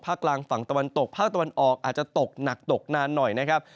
กลางฝั่งตะวันตกภาคตะวันออกอาจจะตกหนักตกนานหน่อยนะครับ